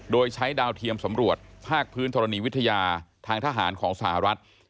โดยใช้ดาวเทียมสำรวจภาคพื้นธรณีวิทยาทางทหารของสหรัฐ